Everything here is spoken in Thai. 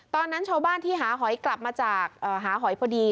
ตอนนั้นชาวบ้านที่หาหอยกลับมาจากหาหอยพอดี